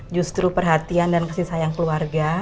justru perhatian dan kasih sayang keluarga